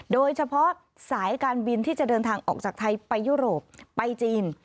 เดินทางออกจากไทยไปยุโรปไปจีน